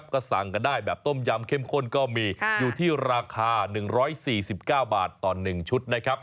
ก็สั่งกันได้แบบต้มยำเข้มข้นก็มีอยู่ที่ราคา๑๔๙บาทต่อ๑ชุดนะครับ